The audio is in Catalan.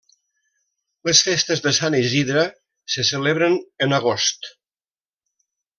Les festes de Sant Isidre se celebren en agost.